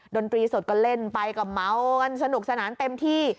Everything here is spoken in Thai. ดนตรีสดก็เล่นไปก็เมากันสนุกสนานเต็มที่